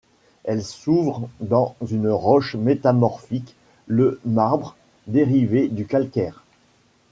Elle s'ouvre dans une roche métamorphique, le marbre, dérivée du calcaire.